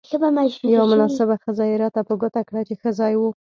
یوه مناسبه خزه يې راته په ګوته کړه، چې ښه ځای وو.